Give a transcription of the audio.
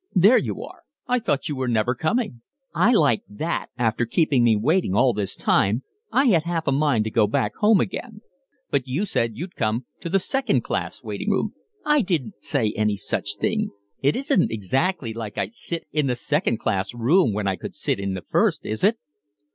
"There you are. I thought you were never coming." "I like that after keeping me waiting all this time. I had half a mind to go back home again." "But you said you'd come to the second class waiting room." "I didn't say any such thing. It isn't exactly likely I'd sit in the second class room when I could sit in the first is it?"